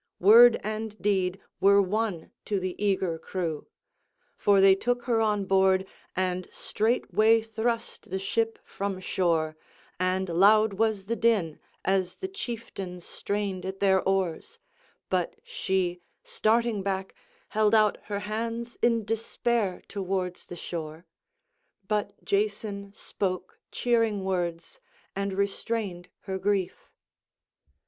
Word and deed were one to the eager crew. For they took her on board, and straightway thrust the ship from shore; and loud was the din as the chieftains strained at their oars, but she, starting back, held out her hands in despair towards the shore. But Jason spoke cheering words and restrained her grief.